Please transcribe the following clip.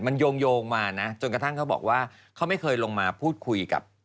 มันโยงมานะจนกระทั่งเขาบอกว่าเขาไม่เคยลงมาพูดคุยกับ